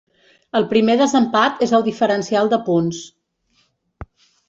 El primer desempat és el diferencial de punts.